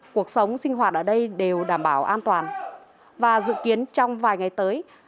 cuộc sống sinh hoạt ở đây đều đảm bảo an toàn và dự kiến trong vài ngày tới